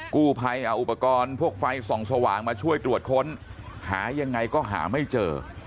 กู้ภัยเอาอุปกรณ์พวกไฟส่องสว่างมาช่วยตรวจค้นหายังไงก็หาไม่เจอ